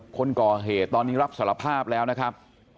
คนก่อเหตุตอนนี้รับสารภาพแล้วนะครับ